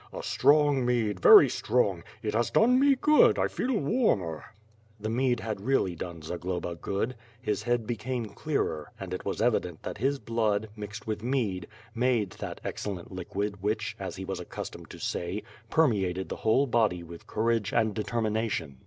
A strong mead; very strong. It has done me good; 1 feel warmer." The mead had really done Zaglolja good; his head became clearer; and it was evident that his blood, mixed with mead, made that excellent liquid which, as he was accustomed to say, permeated the whole body with courage and determina tion.